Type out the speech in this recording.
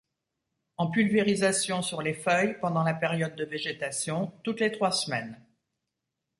En pulvérisation sur les feuilles pendant la période de végétation, toutes les trois semaines.